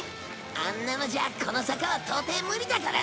あんなのじゃこの坂は到底無理だからね！